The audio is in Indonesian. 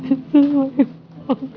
ini salah mama